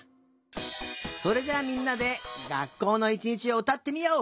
それじゃみんなでがっこうのいちにちをうたってみよう。